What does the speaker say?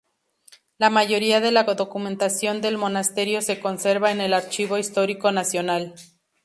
La mayoría de la documentación del monasterio se conserva en el Archivo Histórico Nacional.